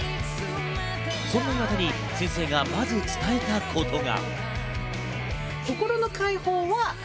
そんな中、先生がまず伝えたことが。